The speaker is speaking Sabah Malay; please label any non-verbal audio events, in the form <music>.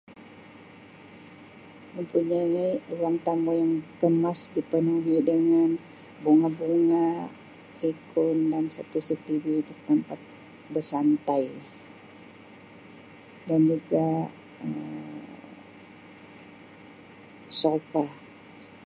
<unintelligible> "ruang tamu yang ""famous"" sepenuhnya dengan bunga-bunga <unintelligible> tempat bersantai dan lupa Um sofa."